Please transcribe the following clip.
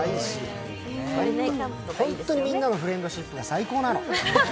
ホントにみんなのフレンドシップが最高なの。